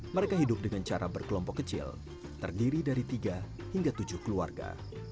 mereka hidup dengan cara berkelompok kecil terdiri dari tiga hingga tujuh keluarga